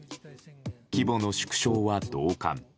規模の縮小は同感。